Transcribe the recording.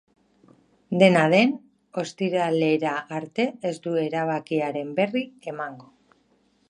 Dena den, ostiralera arte ez du erabakiaren berri emango.